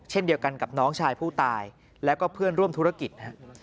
เช่นเดียวกันกับน้องชายผู้ตายแล้วก็เพื่อนร่วมธุรกิจ